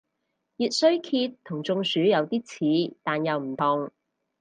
熱衰竭同中暑有啲似但又唔同